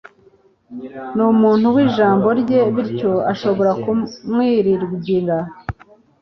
Ni umuntu wijambo rye, bityo ushobora kumwiringira.